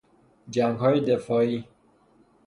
جنگهای دفاعی